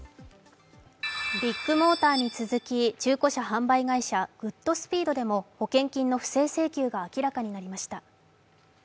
ビッグモーターに続き中古車販売会社・グッドスピードでも保険金の不正請求が明らかになりました。